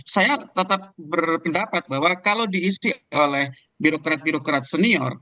saya tetap berpendapat bahwa kalau diisi oleh birokrat birokrat senior